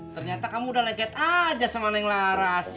ternyata kamu udah leget aja sama neng laras